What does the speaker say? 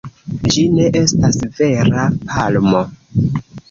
Ĝi ne estas vera palmo.